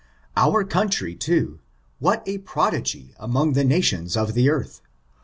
Our country, too ; what a prodigy among the nations of the earth !